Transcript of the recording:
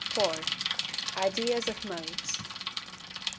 Ideas of Modes.